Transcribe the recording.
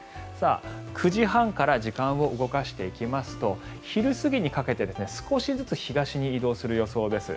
９時半から時間を動かしていきますと昼過ぎにかけて少しずつ東に移動する予想です。